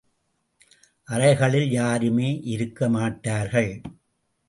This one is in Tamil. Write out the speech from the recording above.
அறைகளில் யாருமே இருக்க மாட்டார்கள்.